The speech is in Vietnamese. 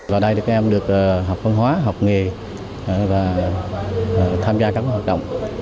vào đây các em được học văn hóa học nghề và tham gia các hoạt động